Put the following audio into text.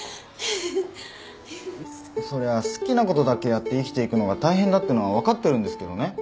そりゃ好きなことだけやって生きていくのが大変だってのは分かってるんですけどね。